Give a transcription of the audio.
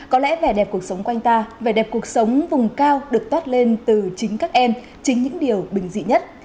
có lẽ vẻ đẹp cuộc sống quanh ta vẻ đẹp cuộc sống vùng cao được toát lên từ chính các em chính những điều bình dị nhất